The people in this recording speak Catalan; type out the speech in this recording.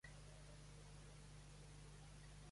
Els britànics van combatre als pirates i el tràfic d'esclaus.